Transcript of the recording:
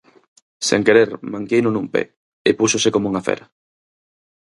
Sen querer, manqueino nun pé, e púxose coma unha fera.